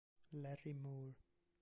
Larry Moore